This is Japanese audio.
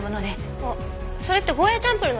あっそれってゴーヤチャンプルーの材料ですね。